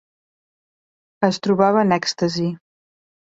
Es trobava en èxtasi.